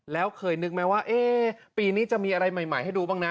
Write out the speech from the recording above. แล้วเคยนึกไหมว่าปีนี้จะมีอะไรใหม่ให้ดูบ้างนะ